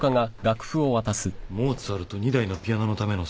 モーツァルト『２台のピアノのためのソナタ』？